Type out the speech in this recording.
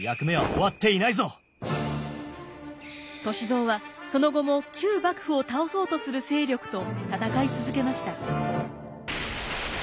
歳三はその後も旧幕府を倒そうとする勢力と戦い続けました。